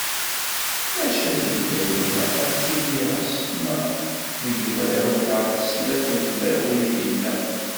Maca tigawt ilaq ad d-tili ɣas ma deg mraw neɣ snat n tmerwin yid-neɣ.